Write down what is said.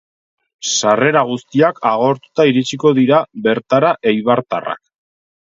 Sarrera guztiak agortuta iritsiko dira bertara eibartarrak.